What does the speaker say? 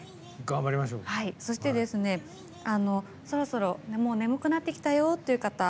そして、そろそろもう眠くなってきたよという方。